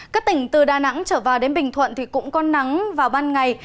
các tỉnh từ đà nẵng trở vào đến bình thuận cũng có nắng vào ban ngày